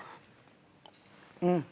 うん。